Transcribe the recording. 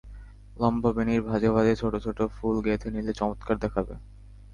লম্বা বেণির ভাঁজে ভাঁজে ছোট ছোট ফুল গেঁথে নিলে চমত্কার দেখাবে।